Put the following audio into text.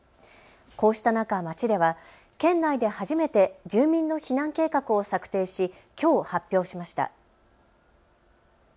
こうした中、町では県内で初めて住民の避難計画を策定しきょう発表しました。